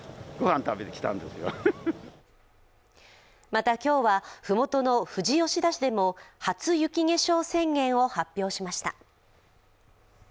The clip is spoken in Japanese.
また今日は麓の富士吉田市でも初雪化粧宣言を発表しました。